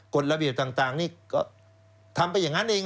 กฎระเบียบต่างนี่ก็ทำไปอย่างนั้นเอง